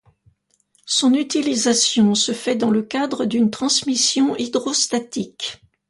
Son utilisation se fait dans le cadre d'une transmission hydrostatique.